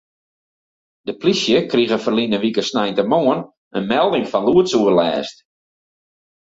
De plysje krige ferline wike sneintemoarn in melding fan lûdsoerlêst.